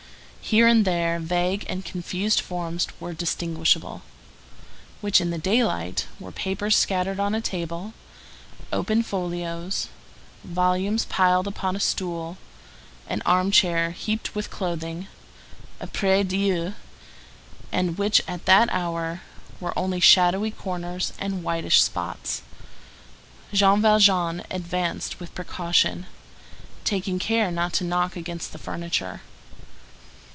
Here and there vague and confused forms were distinguishable, which in the daylight were papers scattered on a table, open folios, volumes piled upon a stool, an armchair heaped with clothing, a prie Dieu, and which at that hour were only shadowy corners and whitish spots. Jean Valjean advanced with precaution, taking care not to knock against the furniture.